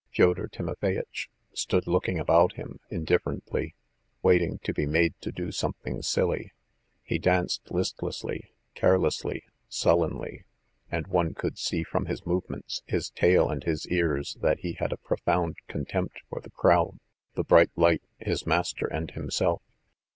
Fyodor Timofeyitch stood looking about him indifferently, waiting to be made to do something silly. He danced listlessly, carelessly, sullenly, and one could see from his movements, his tail and his ears, that he had a profound contempt for the crowd, the bright light, his master and himself.